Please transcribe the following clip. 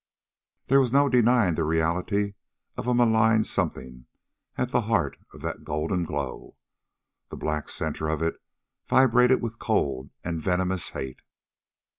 There was no denying the reality of a malign something at the heart of that golden glow. The black center of it vibrated with cold and venomous hate.